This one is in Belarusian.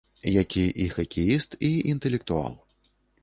Які і хакеіст, і інтэлектуал.